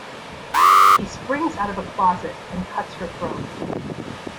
He springs out of a closet and cuts her throat.